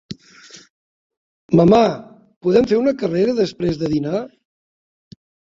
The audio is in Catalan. Mamà, podem fer una carrera després de dinar?